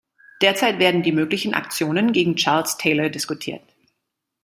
Derzeit werden die möglichen Aktionen gegen Charles Taylor diskutiert.